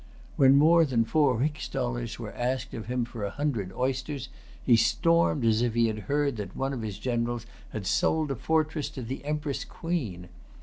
When more than four rix dollars were asked of him for a hundred oysters, he stormed as if he had heard that one of his generals had sold a fortress to the Empress Queen.